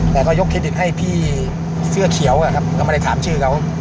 แล้วก็ยกเครดินให้พี่เสื้อเขียวอ่ะครับก็มาได้ถามชื่อเขา